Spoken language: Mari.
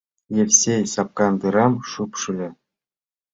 Евсей сапкандырам шупшыльо.